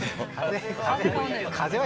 風は。